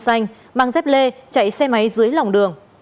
xanh mang dép lê chạy xe máy dưới lòng đường